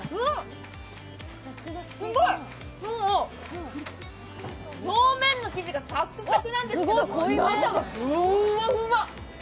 すごい、もう表面の生地がサックサクなんですけど、中がふわふわ。